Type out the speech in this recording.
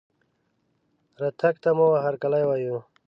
رتګ ته مو هرکلى وايو